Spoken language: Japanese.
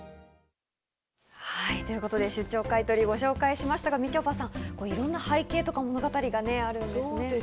出張買い取りをご紹介しましたがみちょぱさん、いろんな背景とか物語があるんですね。